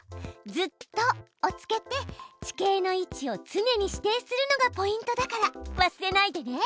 「ずっと」をつけて地形の位置を常に指定するのがポイントだから忘れないでね！